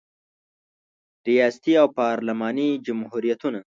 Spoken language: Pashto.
ریاستي او پارلماني جمهوریتونه